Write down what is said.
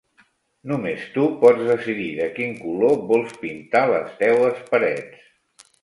Només tu pots decidir de quin color vols pintar les teues parets.